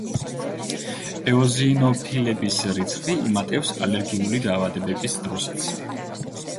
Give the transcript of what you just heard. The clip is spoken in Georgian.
ეოზინოფილების რიცხვი იმატებს ალერგიული დაავადებების დროსაც.